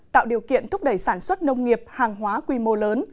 tạo điều kiện thúc đẩy sản xuất nông nghiệp hàng hóa quy mô lớn